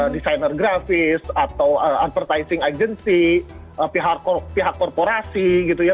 desainer grafis atau advertising agency pihak korporasi gitu ya